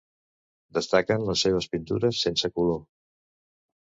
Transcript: Destaquen les seves pintures sense color.